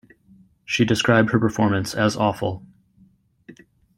She described her performance as "awful".